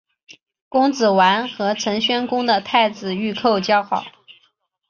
公子完和陈宣公的太子御寇交好。